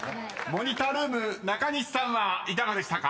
［モニタールーム中西さんはいかがでしたか？］